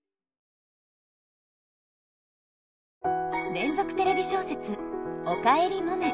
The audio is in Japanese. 連続テレビ小説「おかえりモネ」。